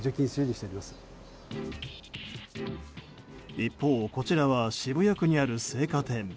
一方、こちらは渋谷区にある青果店。